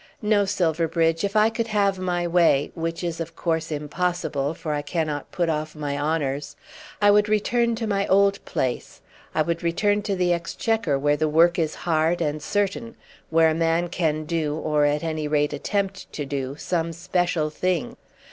No, Silverbridge. If I could have my way, which is of course impossible, for I cannot put off my honours, I would return to my old place. I would return to the Exchequer where the work is hard and certain, where a man can do, or at any rate attempt to do, some special thing.